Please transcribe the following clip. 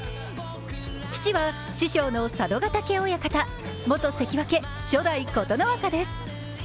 父は師匠の佐渡ヶ嶽親方、元関脇の初代琴ノ若です。